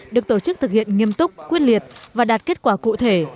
được tổ chức thực hiện nghiêm túc quyết liệt và đạt kết quả cụ thể